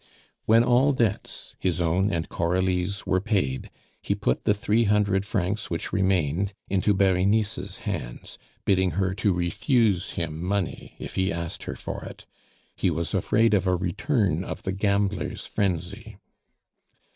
When all debts, his own and Coralie's, were paid, he put the three hundred francs which remained into Berenice's hands, bidding her to refuse him money if he asked her for it. He was afraid of a return of the gambler's frenzy.